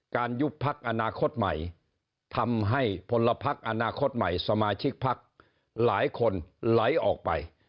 ยุบพักอนาคตใหม่ทำให้พลพักอนาคตใหม่สมาชิกพักหลายคนไหลออกไป